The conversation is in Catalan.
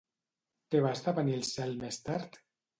Què va esdevenir el cel més tard?